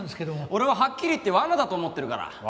俺ははっきり言って罠だと思ってるから。